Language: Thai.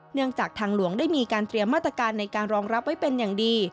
เนื่องจากทางหลวงได้มีการเตรียมมาตรการในการรองรับไว้เป็นอย่างดี